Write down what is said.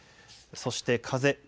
そして風。